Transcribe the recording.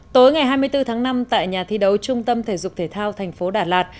tối ngày hai mươi bốn tháng năm tại nhà thi đấu trung tâm thể dục thể thao thành phố đà lạt